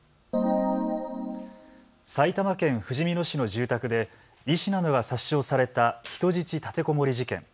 埼玉県ふじみ野市の住宅で医師などが殺傷された人質立てこもり事件。